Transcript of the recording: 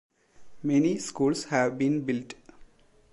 Many schools have been built.